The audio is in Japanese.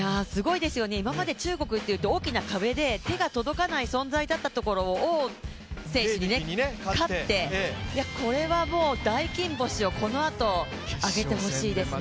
今まで中国というと大きな壁で手が届かない存在だったところを、王選手に勝って、これはもう大金星をこのあと挙げてほしいですね。